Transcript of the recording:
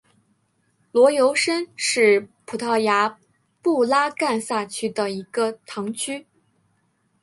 罗尤什是葡萄牙布拉干萨区的一个堂区。